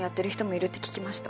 いるって聞きました